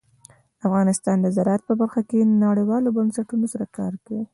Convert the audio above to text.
افغانستان د زراعت په برخه کې نړیوالو بنسټونو سره کار کوي.